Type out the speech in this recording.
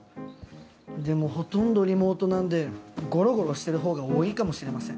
でもほとんどリモートなんでゴロゴロしてるほうが多いかもしれません。